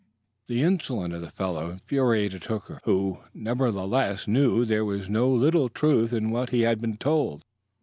The insolence of the fellow infuriated Hooker, who, nevertheless, knew there was no little truth in what he had been told.